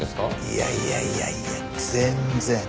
いやいやいやいや全然。